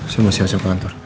semua siapa siapa antur